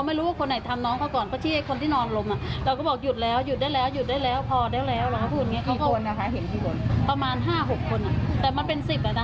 ให้คนนั้นมาโดนกระทืบนะอ่ะแล้วก็เลยวิ่งออกไปดู